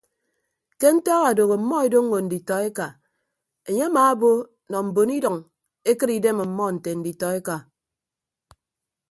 Ke ntak adooho ọmmọ edoñño nditọ eka enye amaabo nọ mbon idʌñ ekịt idem ọmmọ nte nditọeka.